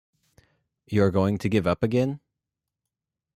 You're going to give up again?